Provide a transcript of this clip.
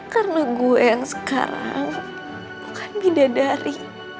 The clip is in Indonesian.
karena gue yang sekarang bukan bidadari